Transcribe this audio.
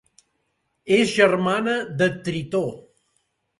És germana de Tritó.